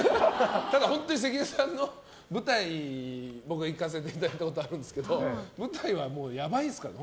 ただ、本当に関根さんの舞台に僕、行かせていただいたことあるんですけど舞台はやばいですからね。